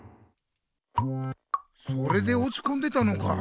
それでおちこんでたのか。